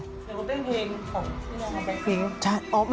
เดี๋ยวเขาเต้นเพลงของพี่ยายแบคพิ้ง